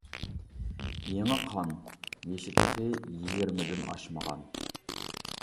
يېڭى قان، يېشى تېخى يىگىرمىدىن ئاشمىغان.